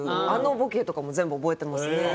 あのボケとかも全部覚えてますね。